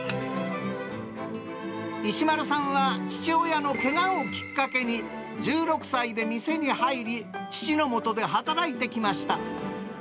石丸さんは父親のけがをきっかけに、１６歳で店に入り、父の下で働いてきました。